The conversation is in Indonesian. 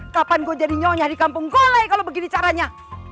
kapan gue jadi nyonya di kampung gulai kalau begini caranya